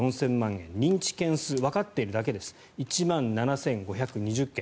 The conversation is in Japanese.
円認知件数、わかっているだけです１万７５２０件。